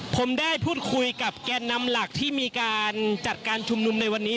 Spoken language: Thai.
ผมได้พูดคุยกับแกนนำหลักที่มีการจัดการชุมนุมในวันนี้